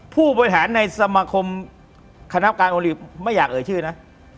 ผู้บริหารในสมาคมคณะการโอลิปไม่อยากเอ่ยชื่อนะ